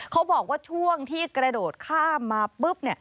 เขาบอกว่าช่วงที่กระโดดข้ามมาปุ๊บ